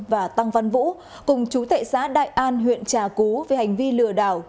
và tăng văn vũ cùng chú tệ xã đại an huyện trà cú về hành vi lừa đảo